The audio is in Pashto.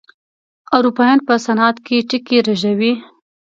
اروپايان په صنعت کې ټکي رژوي.